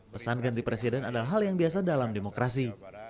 pesan ganti presiden adalah hal yang biasa dalam demokrasi